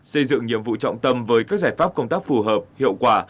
xây dựng nhiệm vụ trọng tâm với các giải pháp công tác phù hợp hiệu quả